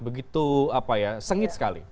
begitu apa ya sengit sekali